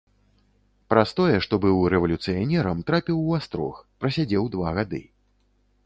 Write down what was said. Праз тое, што быў рэвалюцыянерам, трапіў у астрог, прасядзеў два гады.